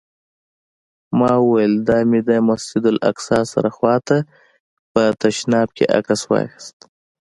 ما وویل: دا مې د مسجداالاقصی سره خوا ته په تشناب کې عکس واخیست.